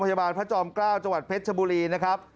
พยาบาลพระจอม๙จังหวัดเพชรชมบุรีนะครับ